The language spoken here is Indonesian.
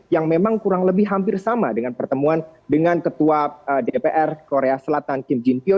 yang memang kurang lebih hampir sama dengan pertemuan dengan ketua dpr korea selatan kim jinpio